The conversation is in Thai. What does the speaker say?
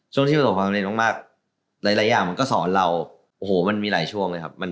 ที่ประสบความเร็งมากหลายอย่างมันก็สอนเราโอ้โหมันมีหลายช่วงเลยครับ